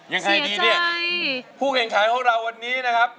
อ๋อยังไงดีผู้แข่งท้ายของเราวันนี้นะครับ